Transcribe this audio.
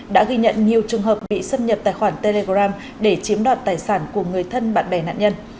đã ghi nhận nhiều trường hợp bị xâm nhập tài khoản telegram để chiếm đoạt tài sản của người thân bạn bè nạn nhân